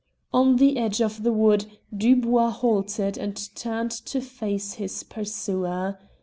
On the edge of the wood Dubois halted and turned to face his pursuer.